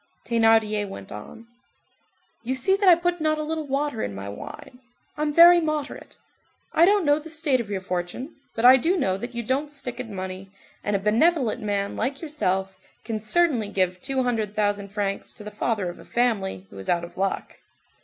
Thénardier went on:— "You see that I put not a little water in my wine; I'm very moderate. I don't know the state of your fortune, but I do know that you don't stick at money, and a benevolent man like yourself can certainly give two hundred thousand francs to the father of a family who is out of luck.